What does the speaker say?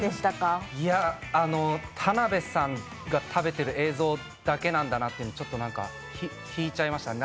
田辺さんが食べてる映像だけなんだなというのを、ちょっと引いちゃいましたね。